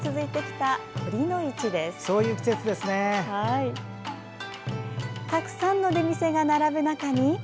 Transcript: たくさんの出店が並ぶ中に。